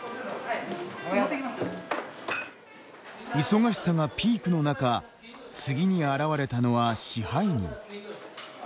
忙しさがピークの中次に現れたのは支配人。